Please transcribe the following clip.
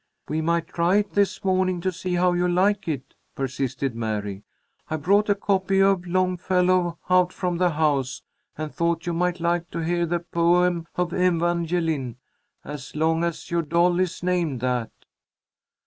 "We might try it this morning to see how you like it," persisted Mary. "I brought a copy of Longfellow out from the house, and thought you might like to hear the poem of 'Evangeline,' as long as your doll is named that."